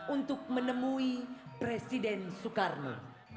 untuk menemui presiden soekarno